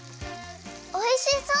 おいしそう！